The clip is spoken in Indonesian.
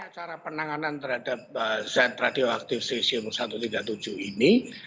secara penanganan terhadap zat radioaktif c enam ribu satu ratus tiga puluh tujuh ini